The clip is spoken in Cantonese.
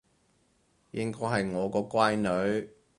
應該係我個乖女